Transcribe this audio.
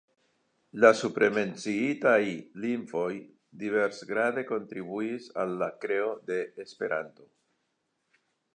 La supremenciitaj lingvoj diversgrade kontribuis al la kreo de Esperanto.